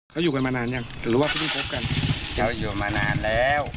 เขาอยู่กันมานานยังหรือว่าเพิ่งคบกันเขาอยู่มานานแล้ว